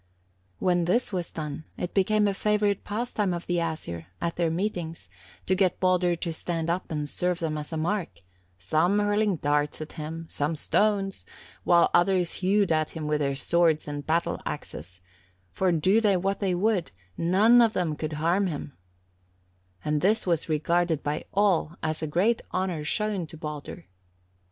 When this was done, it became a favourite pastime of the Æsir, at their meetings, to get Baldur to stand up and serve them as a mark, some hurling darts at him, some stones, while others hewed at him with their swords and battle axes, for do they what they would none of therm could harm him, and this was regarded by all as a great honour shown to Baldur.